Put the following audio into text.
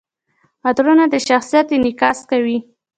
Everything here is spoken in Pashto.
عطرونه د شخصیت انعکاس کوي.